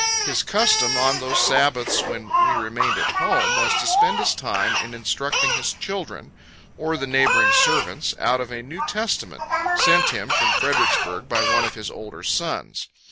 His custom, on those Sabbaths when we remained at home, was to spend his time in instructing his children, or the neighboring servants, out of a New Testament, sent him from Fredericksburg by one of his older sons.